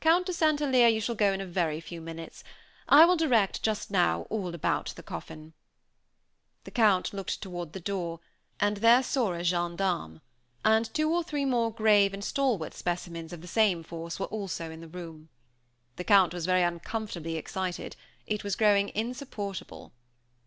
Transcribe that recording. "Count de St. Alyre, you shall go in a very few minutes. I will direct, just now, all about the coffin." The Count looked toward the door, and there saw a gendarme; and two or three more grave and stalwart specimens of the same force were also in the room. The Count was very uncomfortably excited; it was growing insupportable.